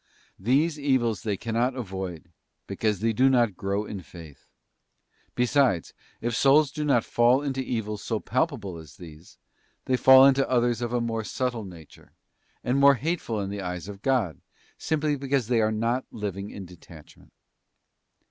These evils they cannot avoid, because they do not grow in faith. Besides, if souls do not fall into evils so palpable as these, they fall into others of a more subtle nature, and more hateful in the eyes of God, simply because they are not living in detachment.